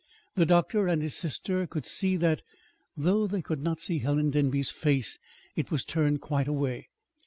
The doctor and his sister could see that, though they could not see Helen Denby's face. It was turned quite away.